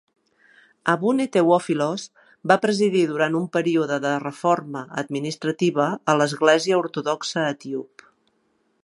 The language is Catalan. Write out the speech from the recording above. Abune Tewophilos va presidir durant un període de reforma administrativa a l'església ortodoxa etíop.